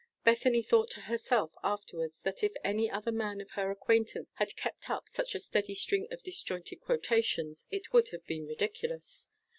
Bethany thought to herself, afterwards, that if any other man of her acquaintance had kept up such a steady string of disjointed quotations, it would have been ridiculous.